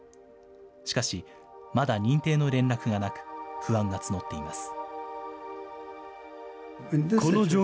しかし、まだ認定の連絡がなく、不安が募っています。